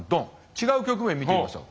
違う局面見てみましょう。